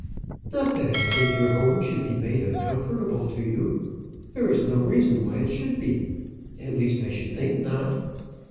"Not that I think your home should be made uncomfortable to you. There is no reason why it should be. At least, I should think not."